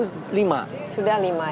sudah lima ya apa saja